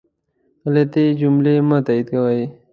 غلطي جملې مه تائیدوئ